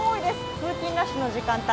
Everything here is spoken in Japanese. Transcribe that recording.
通勤ラッシュの時間帯。